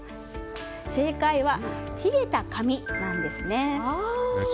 正解は冷えた髪なんですね。